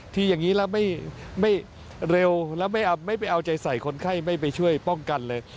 อย่างนี้แล้วไม่เร็วแล้วไม่ไปเอาใจใส่คนไข้ไม่ไปช่วยป้องกันเลย